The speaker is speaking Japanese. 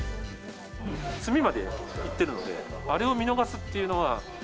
詰みまでいってるので、あれを見逃すっていうのは。